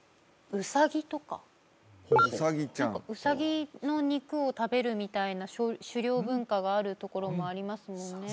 ウサギちゃん何かウサギの肉を食べるみたいな狩猟文化があるところもありますもんね